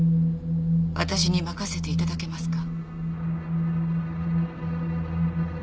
私に任せて頂けますか？